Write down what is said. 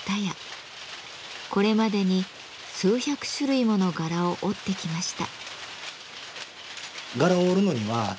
これまでに数百種類もの柄を織ってきました。